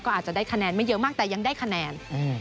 อาจจะได้คะแนนไม่เยอะมากแต่ยังได้คะแนน